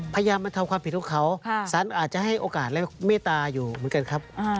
พยายามมาทำความผิดของเขาสารอาจจะให้โอกาสและเมตตาอยู่เหมือนกันครับ